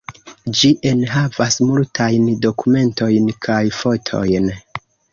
Ĝi enhavas multajn dokumentojn kaj fotojn.